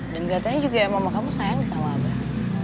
dan keliatannya juga emang kamu sayang sama abah